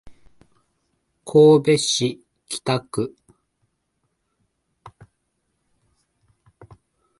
神戸市北区